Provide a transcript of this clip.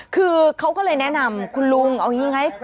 คือเขาก็เลยแนะนำคุณลุงเอาอย่างนี้ไง